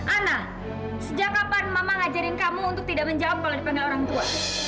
ana sejak kapan mama ngajarin kamu untuk tidak menjawab kalau dipanggil orang tua